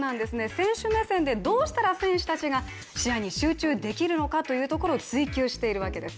目線でどうしたら選手たちが試合に集中できるのかというところを追求しているわけです。